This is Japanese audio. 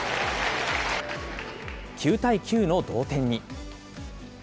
９対９の同点に。